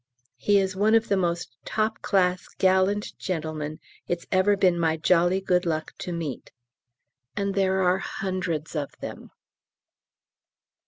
He is one of the most top class gallant gentlemen it's ever been my jolly good luck to meet. And there are hundreds of them.